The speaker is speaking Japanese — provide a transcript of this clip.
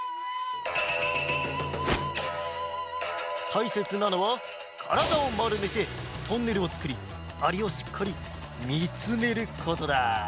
たいせつなのはからだをまるめてトンネルをつくりアリをしっかりみつめることだ。